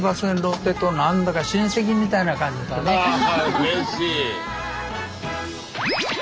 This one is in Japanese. うれしい。